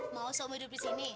mau sama hidup di sini eh